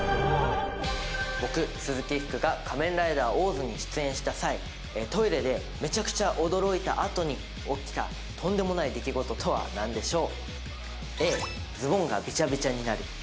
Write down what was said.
僕、鈴木福が「仮面ライダーオーズ／○○〇」に出演した際トイレでめちゃくちゃ驚いたあとに起きたとんでもない出来事とは何でしょう？